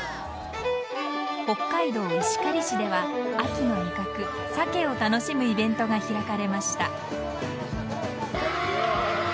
北海道石狩市では秋の味覚・サケを楽しむイベントが開かれました。